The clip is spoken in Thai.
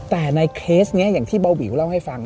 แต่ในเคสนี้อย่างที่เบาวิวเล่าให้ฟัง